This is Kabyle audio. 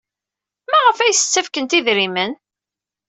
Maɣef ay as-ttakfent idrimen?